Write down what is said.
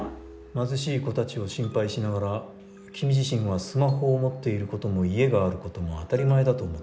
貧しい子たちを心配しながら君自身はスマホを持っていることも家があることも当たり前だと思っている。